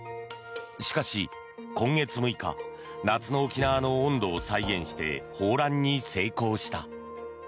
しかし、今月６日夏の沖縄の温度を再現して抱卵に成功した。